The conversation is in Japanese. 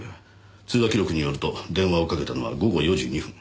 通話記録によると電話をかけたのは午後４時２分。